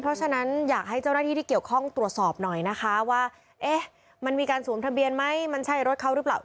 เพราะฉะนั้นอยากให้เจ้าหน้าที่ที่เกี่ยวข้องตรวจสอบหน่อยนะคะว่าเอ๊ะมันมีการสวมทะเบียนไหมมันใช่รถเขาหรือเปล่า